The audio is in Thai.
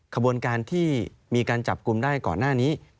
ขบวนการที่มีการจับกลุ่มได้ก่อนหน้านี้